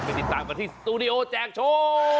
ติดตามกันที่สตูดิโอแจกโชว์